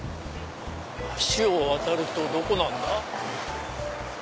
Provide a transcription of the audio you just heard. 橋を渡るとどこなんだ？